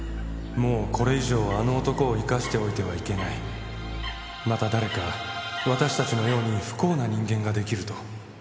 「もうこれ以上あの男を生かしておいてはいけない」「また誰か私たちのように不幸な人間が出来ると」